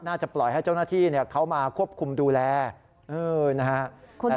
จะปล่อยให้เจ้าหน้าที่เขามาควบคุมดูแลนะฮะ